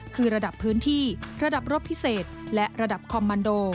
คือระดับพื้นที่ระดับรบพิเศษและระดับคอมมันโด